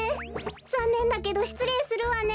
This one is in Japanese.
ざんねんだけどしつれいするわね。